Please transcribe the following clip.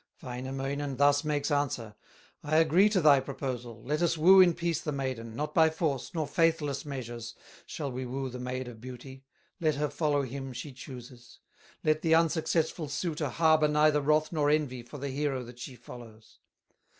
Wainamoinen thus makes answer: "I agree to thy proposal, Let us woo in peace the maiden, Not by force, nor faithless measures, Shall we woo the Maid of Beauty, Let her follow him she chooses; Let the unsuccessful suitor Harbor neither wrath nor envy For the hero that she follows."